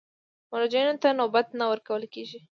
مراجعینو ته نوبت نه ورکول کېږي.